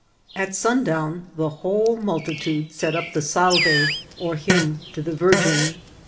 At sundown the whole multitude set up the Salve, or Hymn to the Virgin.